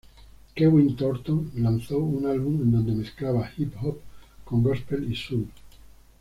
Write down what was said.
Kevin Thornton lanzó un álbum en donde mezclaba hip hop con gospel y soul.